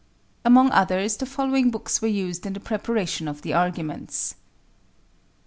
Among others, the following books were used in the preparation of the arguments: N.